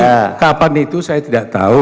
ya kapan itu saya tidak tahu